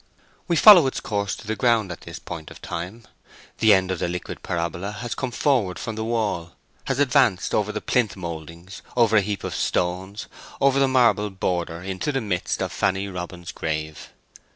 We follow its course to the ground at this point of time. The end of the liquid parabola has come forward from the wall, has advanced over the plinth mouldings, over a heap of stones, over the marble border, into the midst of Fanny Robin's grave.